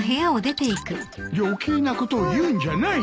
余計なことを言うんじゃない。